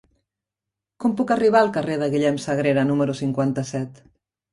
Com puc arribar al carrer de Guillem Sagrera número cinquanta-set?